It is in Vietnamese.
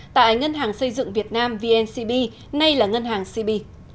tại ngân hàng xây dựng việt nam vncb nay là ngân hàng cb